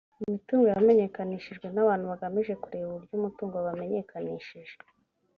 imitungo yamenyekanishijwe n abantu hagamijwe kureba uburyo umutungo bamenyekanishije